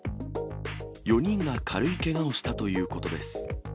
４人が軽いけがをしたということです。